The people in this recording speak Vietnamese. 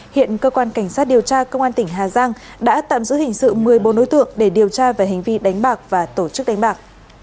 hiện cơ quan cảnh sát điều tra công an tỉnh hà giang đã tạm giữ hình sự một mươi bốn đối tượng để điều tra về hành vi đánh bạc và tổ chức đánh bạc